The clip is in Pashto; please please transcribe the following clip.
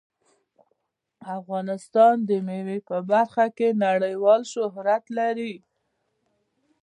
افغانستان د مېوې په برخه کې نړیوال شهرت لري.